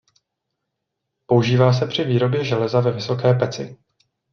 Používá se při výrobě železa ve vysoké peci.